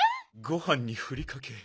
ごはんにふりかけ。